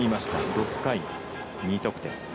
６回、２得点。